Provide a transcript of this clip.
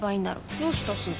どうしたすず？